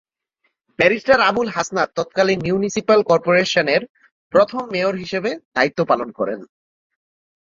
Barrister Abul Hasnat তৎকালীন municipal করপোরেশনের প্রথম মেয়র হিসেবে দায়িত্ব পালন করেন।